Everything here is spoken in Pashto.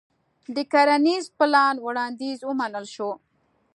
د کرنيز پلان وړانديز ومنل شو.